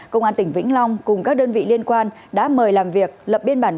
công an tỉnh vĩnh long cùng các đơn vị liên quan đã mời làm việc lập biên bản